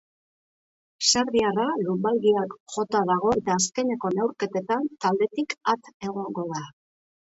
Serbiarra lunbalgiak jota dago, eta azkenengo neurketetan taldetik at egon da.